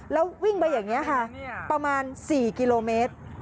แล้ววิ่งไปอย่างนี้ค่ะประมาณ๔กิโลเมตร